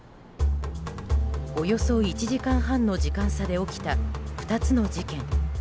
およそ１時間半の時間差で起きた２つの事件。